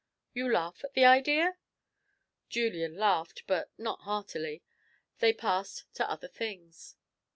You laugh at the idea?" Julian laughed, but not heartily. They passed to other things.